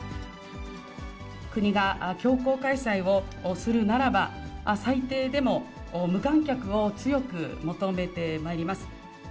国が強行開催をするならば、最低でも無観客を強く求めてまいります。